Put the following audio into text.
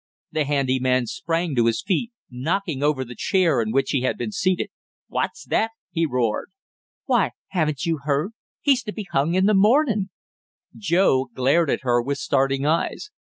The handy man sprang to his feet, knocking over the chair in which he had been seated. "What's that?" he roared. "Why, haven't you heard? He's to be hung in the morning." Joe glared at her with starting eyes.